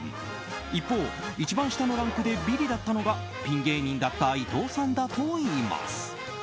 一方、一番下のランクでビリだったのがピン芸人だった伊藤さんだといいます。